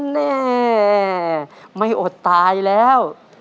แน่ไม่อดตายแล้ว